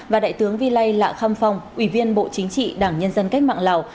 và đại tướng vi lây lạ khăm phong ủy viên bộ chính trị đảng nhân dân cách mạng lào